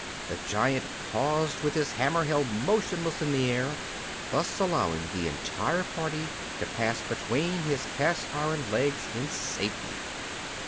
The giant paused, with his hammer held motionless in the air, thus allowing the entire party to pass between his cast iron legs in safety.